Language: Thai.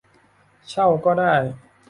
เช่าก็ได้